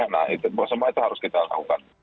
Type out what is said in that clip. nah itu semua itu harus kita lakukan